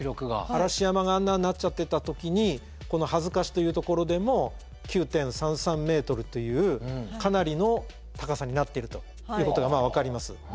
嵐山があんなんなっちゃってた時にこの羽束師というところでも９．３３メートルというかなりの高さになっているということが分かります。